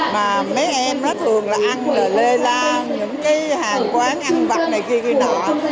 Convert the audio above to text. mà mấy em nó thường ăn lê la những hàng quán ăn vật này kia kia nọ